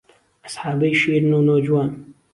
ئهسحابەی شیرن و نۆجوان